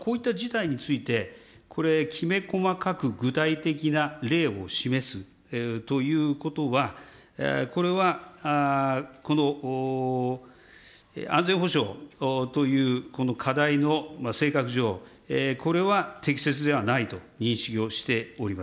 こういった事態について、これ、きめ細かく具体的な例を示すということは、これはこの安全保障というこの課題の性格上、これは適切ではないと認識をしております。